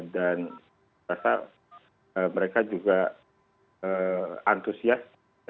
dan saya rasa mereka juga antusias